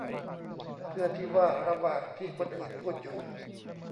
เพื่อที่ว่าระหว่างที่คนอื่นพูดอยู่